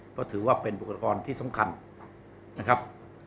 เพราะถือว่าเป็นอุปกรณ์ที่สำคัญนะครับ